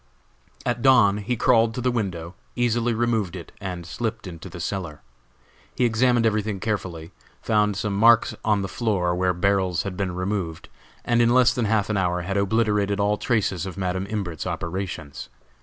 At dawn he crawled to the window, easily removed it, and slipped into the cellar. He examined everything carefully, found some marks on the floor where barrels had been removed, and in less than half an hour had obliterated all traces of Madam Imbert's operations.